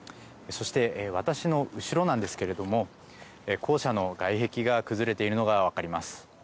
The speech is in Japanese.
そして私の後ろなんですけれども校舎の外壁が崩れているのが分かります。